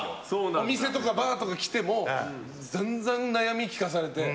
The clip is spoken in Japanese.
お店とかバーとか来ても散々、悩み聞かされて。